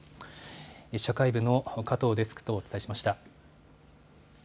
社会部の加藤デスクとお伝えしました。